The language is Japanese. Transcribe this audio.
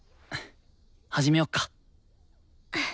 始めよっか。